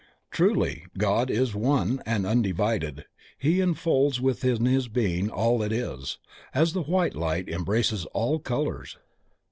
Truly, God is ONE and undivided, He enfolds within His Being all that is, as the white light embraces all colors.